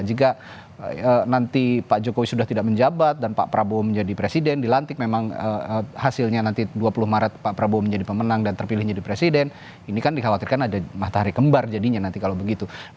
jika nanti pak jokowi sudah tidak menjabat dan pak prabowo menjadi presiden dilantik memang hasilnya nanti dua puluh maret pak prabowo menjadi pemenang dan terpilih jadi presiden ini kan dikhawatirkan ada matahari kembar jadinya nanti kalau begitu